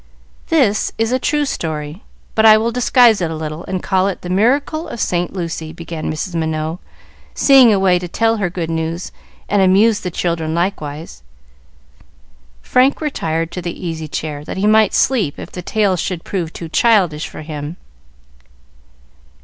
"This is a true story; but I will disguise it a little, and call it 'The Miracle of Saint Lucy,'" began Mrs. Minot, seeing a way to tell her good news and amuse the children likewise. Frank retired to the easy chair, that he might sleep if the tale should prove too childish for him.